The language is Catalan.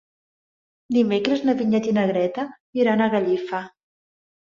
Dimecres na Vinyet i na Greta iran a Gallifa.